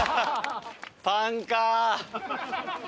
パンか！